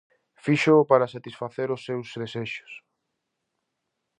Fíxoo para satisfacer os seus desexos.